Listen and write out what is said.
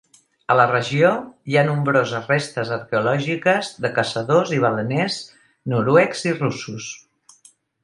A la regió hi ha nombroses restes arqueològiques de caçadors i baleners noruecs i russos.